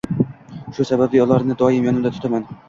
Shu sababli ularni doim yonimda tutaman